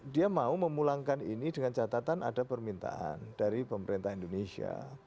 dia mau memulangkan ini dengan catatan ada permintaan dari pemerintah indonesia